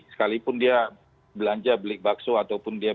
sekalipun dia belanja beli bakso ataupun beli air